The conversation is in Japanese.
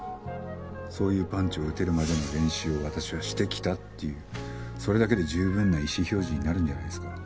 そういうパンチを打てるまでの練習を私はしてきたっていうそれだけで十分な意思表示になるんじゃないですか？